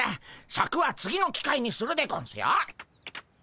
シャクは次の機会にするでゴンスよ。